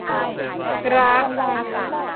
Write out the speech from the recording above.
กราก